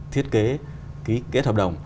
thiết kế ký kết hợp đồng